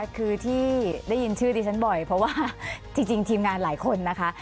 คือที่ได้ยินชื่อดิฉันบ่อยเพราะว่าจริงทีมงานหลายคนนะคะ